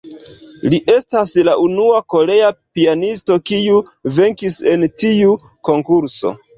Li estas la unua korea pianisto, kiu venkis en tiu Konkurso.